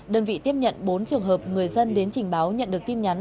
đơn vị tiếp nhận bốn trường hợp người dân đến trình báo nhận được tin nhắn